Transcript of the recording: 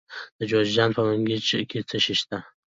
د جوزجان په منګجیک کې څه شی شته؟